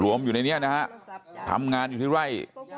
อยู่ในนี้นะฮะทำงานอยู่ที่ไร่